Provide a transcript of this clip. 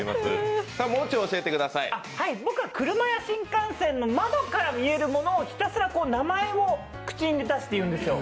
僕は車や新幹線の窓から見えるものをひたすら名前を口に出して言うんですよ。